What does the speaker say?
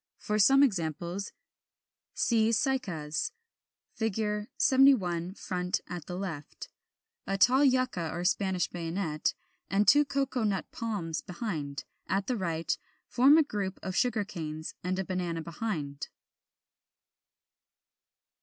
For some examples, see Cycas (Fig. 71, front, at the left); a tall Yucca or Spanish Bayonet, and two Cocoa nut Palms behind; at the right, a group of Sugar canes, and a Banana behind.